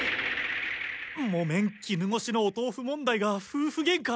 木綿絹ごしのお豆腐問題が夫婦ゲンカ